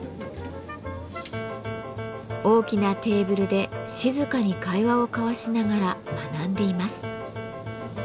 大きなテーブルで静かに会話を交わしながら学んでいます。